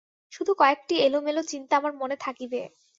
শুধু কয়েকটি এলোমেলো চিন্তা আমার মনে থাকিবে।